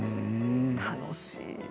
楽しい。